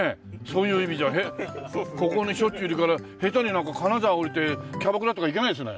そういう意味じゃここにしょっちゅういるから下手になんか金沢下りてキャバクラとか行けないですね。